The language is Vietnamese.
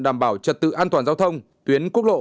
trật tự an toàn giao thông tuyến quốc lộ